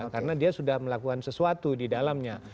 karena dia sudah melakukan sesuatu di dalamnya